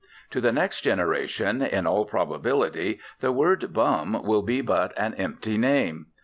To the next generation, in all probability, the word bum will be but an empty name.